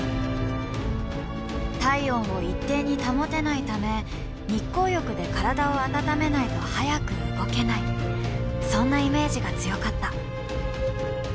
体温を一定に保てないため日光浴で体を温めないと早く動けないそんなイメージが強かった。